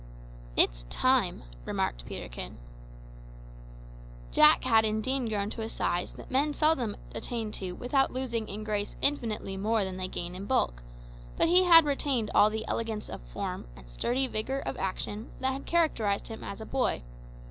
"It's time," remarked Peterkin. Jack had indeed grown to a size that men seldom attain to without losing in grace infinitely more than they gain in bulk, but he had retained all the elegance of form and sturdy vigour of action that had characterised him as a boy.